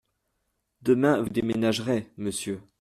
Demain, vous déménagerez, monsieur.